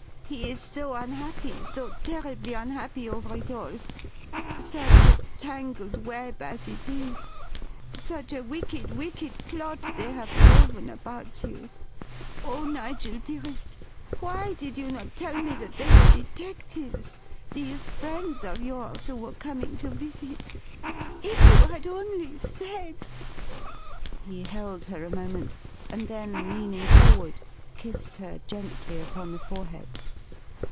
He is so unhappy, so terribly unhappy over it all. Such a tangled web as it is, such a wicked, wicked plot they have woven about you! Oh, Nigel dearest why did you not tell me that they were detectives, these friends of yours who were coming to visit? If you had only said " He held her a moment, and then, leaning forward, kissed her gently upon the forehead.